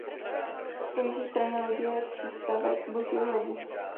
Po jižní straně lodi je přístavek "Božího hrobu".